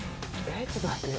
ちょっと待って。